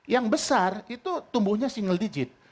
yang besar itu tumbuhnya single digit